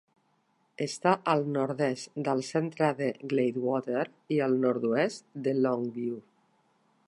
Està al nord-est del centre de Gladewater i al nord-oest de Longview.